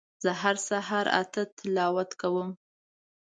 زه هر سهار اته تلاوت کوم